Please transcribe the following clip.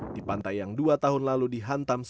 di pantai yang dua tahun lalu dihantam